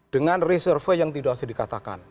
dengan reserve yang tidak harus dikatakan